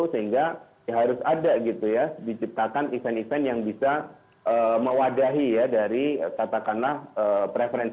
sehingga ya harus ada gitu ya diciptakan event event yang bisa mewadahi ya dari katakanlah preferensi